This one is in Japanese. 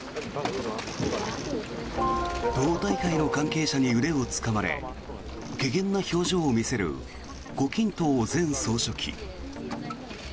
党大会の関係者に腕をつかまれけげんな表情を見せる胡錦涛前総書記。